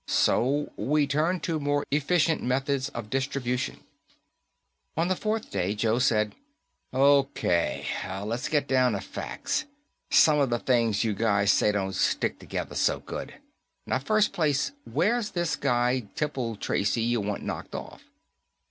So we turned to more efficient methods of distribution." On the fourth day, Joe said, "O.K., let's get down to facts. Summa the things you guys say don't stick together so good. Now, first place, where's this guy Temple Tracy you want knocked off?"